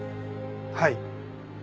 はい。